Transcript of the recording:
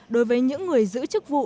đối với những người giữ chức vụ